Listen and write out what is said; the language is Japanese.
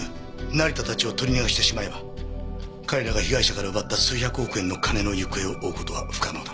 成田たちを取り逃がしてしまえば彼らが被害者から奪った数百億円の金の行方を追う事は不可能だ。